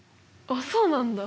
あっそうなんだ。